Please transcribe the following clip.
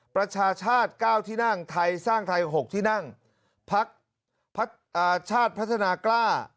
ประชาชาติ๙ที่นั่งไทยสร้างไทย๖ที่นั่งพักชาติพัฒนากล้า